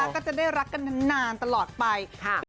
ก็จะได้รักกันนานตลอดไป